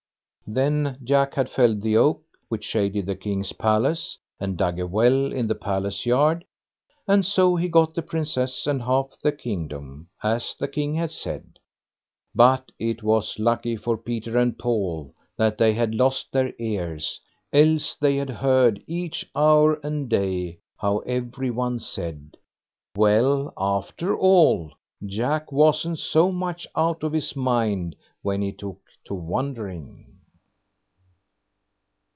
Then Jack had felled the oak which shaded the king's palace, and dug a well in the palace yard, and so he got the Princess and half the kingdom, as the King had said; but it was lucky for Peter and Paul that they had lost their ears, else they had heard each hour and day, how every one said, "Well, after all, Jack wasn't so much out of his mind when he took to wondering."